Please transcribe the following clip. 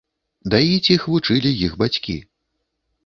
Даіць іх вучылі іх бацькі.